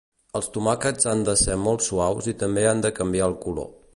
Els tomàquets han de ser molt suaus i també han de canviar el color.